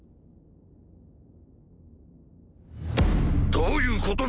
どういうことだ！